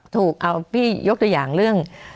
ถูกเอาพี่ยกตัวอย่างเรื่อง